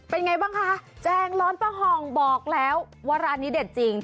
เป็นไงบ้างคะแจงร้อนปลาห่องบอกแล้วว่าร้านนี้เด็ดจริง